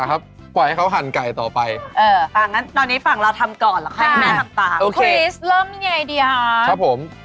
ค่อยเสียบนะครับ